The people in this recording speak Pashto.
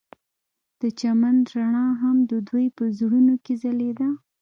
د چمن رڼا هم د دوی په زړونو کې ځلېده.